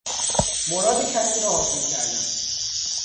مراد کسی را حاصل کردن